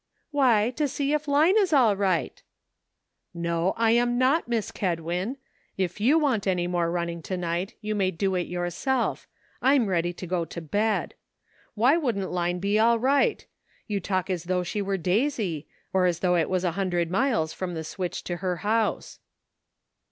" Why, to see if Line is all right." "No, I just am not, Miss Kedwin! If you want any more running to night you may do it yourself; I'm ready to go to bed. Why wouldn't Line be all right? You talk as though she were ''WHAT COULD HAPPEN?'' 59 Daisy, or as though it was a hundred miles from the switch to her house."